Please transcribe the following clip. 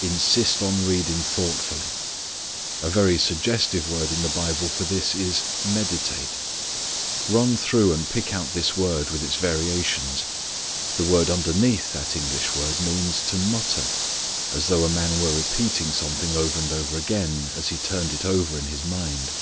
Insist on reading thoughtfully. A very suggestive word in the Bible for this is "meditate." Run through and pick out this word with its variations. The word underneath that English word means to mutter, as though a man were repeating something over and over again, as he turned it over in his mind.